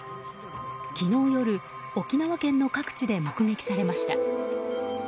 昨日夜沖縄県の各地で目撃されました。